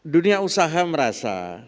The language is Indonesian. dunia usaha merasa